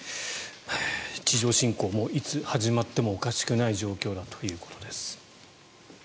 地上侵攻もいつ始まってもおかしくない状況だということです。